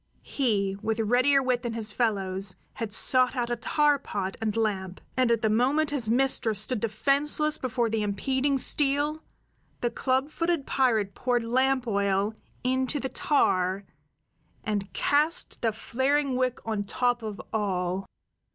He, with readier wit than his fellows, had sought out a tar pot and lamp; and at the moment his mistress stood defenseless before the impeding steel, the club footed pirate poured lamp oil into the tar, and cast the flaring wick on top of all.